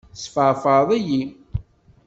Tesfeεfεeḍ-iyi!